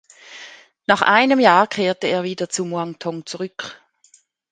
Nach einem Jahr kehrte er wieder zu Muangthong zurück.